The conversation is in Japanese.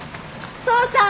お父さん！